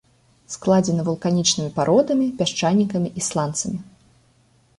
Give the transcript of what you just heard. Складзены вулканічнымі пародамі, пясчанікамі і сланцамі.